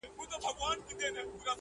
يو ځوان وايي دا ټول تبليغ دئ